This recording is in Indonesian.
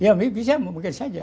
ya bisa mungkin saja